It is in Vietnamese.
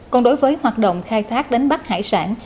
còn đối với hoạt động khai thác đánh bắt hải sản